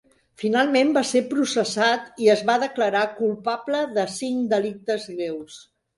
Finalment va ser processat i es va declarar culpable de cinc delictes greus.